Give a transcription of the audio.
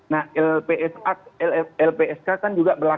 nah lpsk kan juga berlaku